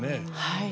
はい。